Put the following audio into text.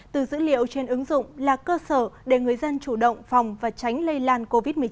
từ dữ liệu trên ứng dụng là cơ sở để người dân chủ động phòng và tránh lây lan covid một mươi chín